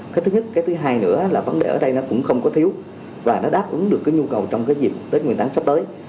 cái thứ nhất cái thứ hai nữa là vấn đề ở đây nó cũng không có thiếu và nó đáp ứng được cái nhu cầu trong cái dịp tết nguyên đáng sắp tới